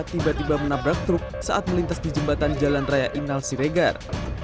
tiba tiba menabrak truk saat melintas di jembatan jalan raya inal siregar